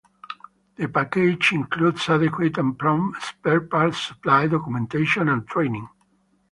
The package includes adequate and prompt spare parts supply, documentation and training.